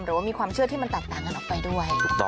หรือว่ามีความเชื่อที่มันแตกต่างกันออกไปด้วย